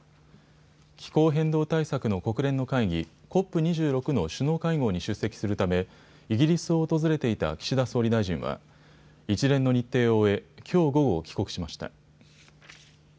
気候変動対策の国連の会議、ＣＯＰ２６の首脳会合に出席するためイギリスを訪れていた岸田総理大臣は一連の日程を終え、きょう午後、帰国しました。